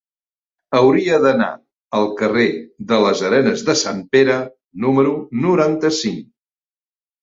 Hauria d'anar al carrer de les Arenes de Sant Pere número noranta-cinc.